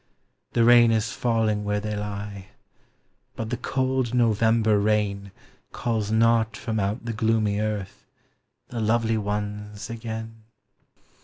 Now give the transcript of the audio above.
The rain is falling where they lie; but the cold November rain Calls not from out the gloomy earth the lovely ones again.